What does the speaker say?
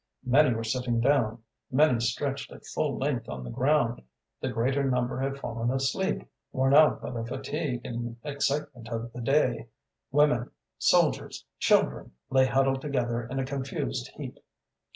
Many were sitting down, many stretched at full length on the ground; the greater number had fallen asleep, worn out by the fatigue and excitement of the day; women, soldiers, children, lay huddled together in a confused heap.